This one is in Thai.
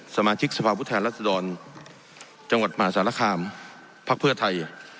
สมาชิกสภาพุทธแทนรัศดรจังหวัดมหาสารคามพักเพื่อไทย